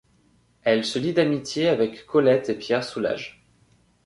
Elle se lie d’amitié avec Colette et Pierre Soulages.